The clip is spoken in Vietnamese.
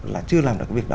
là chưa làm được việc đó